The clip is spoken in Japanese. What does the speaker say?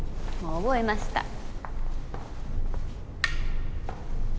もう覚えました。